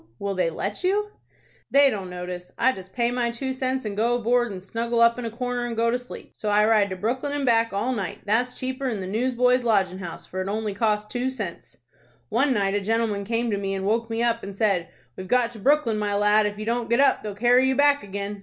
Will they let you?" "They don't notice. I just pay my two cents, and go aboard, and snuggle up in a corner and go to sleep. So I ride to Brooklyn and back all night. That's cheaper'n the Newsboys' Lodgin' House, for it only costs two cents. One night a gentleman came to me, and woke me up, and said, 'We've got to Brooklyn, my lad. If you don't get up they'll carry you back again.'